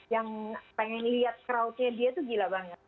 yang pengen lihat crowdnya dia tuh gila banget